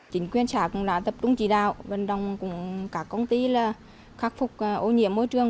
chính quyền xã cũng đã tập trung chỉ đạo vận động cùng các công ty là khắc phục ô nhiễm môi trường